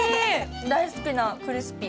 大好きなクリスピー。